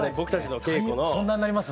そんなんなります？